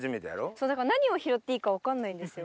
そうだから何を拾っていいか分かんないんですよ。